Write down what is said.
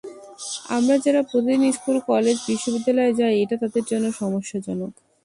আমরা যারা প্রতিদিন স্কুল, কলেজ, বিশ্ববিদ্যালয়ে যাই, এটা তাদের জন্য সমস্যাজনক।